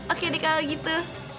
oke adik kalo gitu